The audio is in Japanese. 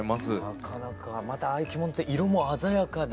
なかなかまたああいう着物って色も鮮やかで。